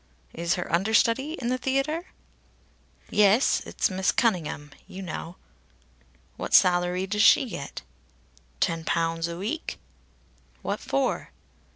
"Is her understudy in the theatre?" "Yes. It's Miss Cunningham, you knaow." "What salary does she get?" "Ten pounds a week." "What for?"